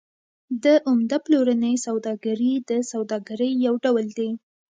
د عمده پلورنې سوداګري د سوداګرۍ یو ډول دی